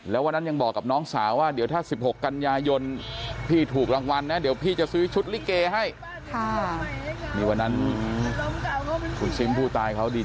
แล้ววันนั้นยังบอกกับน้องสาวว่าเดี๋ยวถ้า๑๖กันยายนพี่ถูกรางวัลนะเดี๋ยวพี่จะซื้อชุดลิเกให้